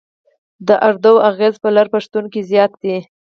د اردو اغېز په لر پښتون کې زیات دی.